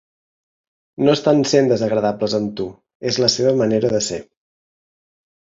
No estan sent desagradables amb tu, és la seva manera de ser.